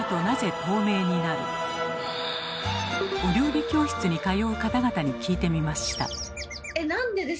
お料理教室に通う方々に聞いてみました。